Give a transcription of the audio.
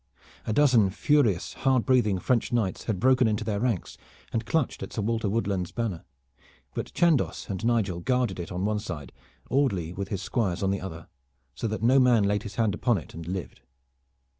A dozen furious hard breathing French knights had broken into their ranks, and clutched at Sir Walter Woodland's banner, but Chandos and Nigel guarded it on one side, Audley with his squires on the other, so that no man laid his hand upon it and lived.